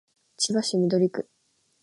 千葉市緑区